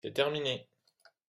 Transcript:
C’est terminé